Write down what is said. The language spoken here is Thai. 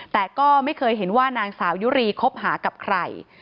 แต่ก็ไม่เคยเห็นว่านางสาวยุรีคบหากับใคร